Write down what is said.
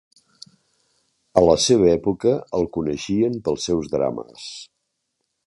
A la seva època el coneixien pels seus "drames".